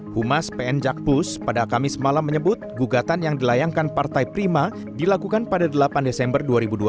humas pn jakpus pada kamis malam menyebut gugatan yang dilayangkan partai prima dilakukan pada delapan desember dua ribu dua puluh